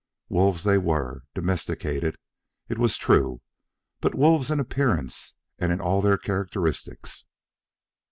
Wolves they were, domesticated, it was true, but wolves in appearance and in all their characteristics.